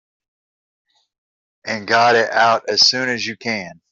And got it out as soon as you can.